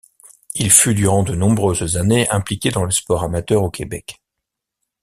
Il fut durant de nombreuses années impliqué dans le sport amateur au Québec.